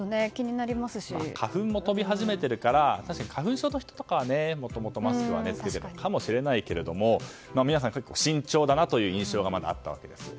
花粉も飛び始めているから花粉症の人とかはもともとマスクは着けているかもしれないけれども皆さん慎重だなという印象があったわけです。